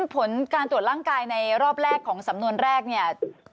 ผลการตรวจร่างกายในรอบแรกของสำนวนแรกเนี่ย